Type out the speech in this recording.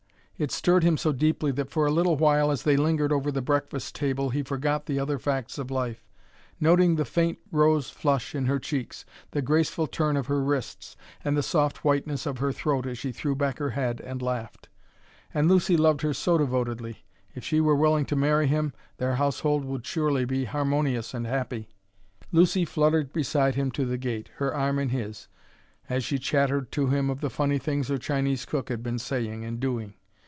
It stirred him so deeply that for a little while, as they lingered over the breakfast table, he forgot the other facts of life, noting the faint rose flush in her cheeks, the graceful turn of her wrists, and the soft whiteness of her throat as she threw back her head and laughed. And Lucy loved her so devotedly! If she were willing to marry him their household would surely be harmonious and happy. Lucy fluttered beside him to the gate, her arm in his, as she chattered to him of the funny things her Chinese cook had been saying and doing.